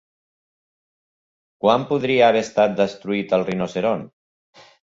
Quan podria haver estat destruït el rinoceront?